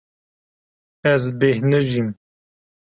Ez bêhnijîm.